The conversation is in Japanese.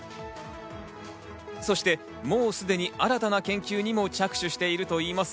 そして、もうすでに新たな研究にも着手しているといいます。